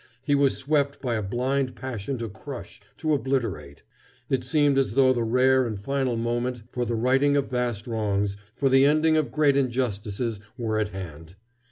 He was swept by a blind passion to crush, to obliterate. It seemed as though the rare and final moment for the righting of vast wrongs, for the ending of great injustices, were at hand.